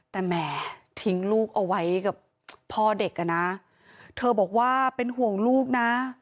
แต่แหมทิ้งลูกเอาไว้กับพ่อเด็กอ่ะนะเธอบอกว่าเป็นห่วงลูกนะ